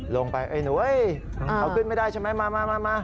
ลงไปเอ้ยเอาขึ้นไม่ได้ใช่ไหมมา